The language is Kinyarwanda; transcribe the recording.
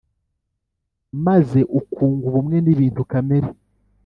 maze ukunga ubumwe n’ibintu kamere.